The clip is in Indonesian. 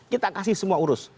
kita kasih semua urus